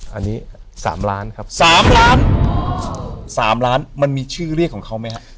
อันนี้๓ล้านครับ๓ล้าน๓ล้านมันมีชื่อเรียกของเขาไหมฮะ